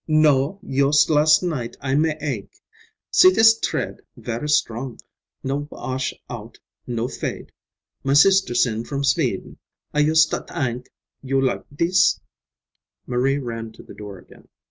"No, yust las' night I ma ake. See dis tread; verra strong, no wa ash out, no fade. My sister send from Sveden. I yust a ta ank you like dis." Marie ran to the door again.